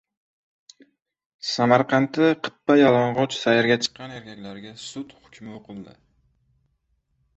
Samarqandda qippa-yalang‘och «sayr»ga chiqqan erkaklarga sud hukmi o‘qildi